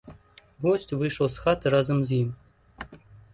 Госць выйшаў з хаты разам з ім.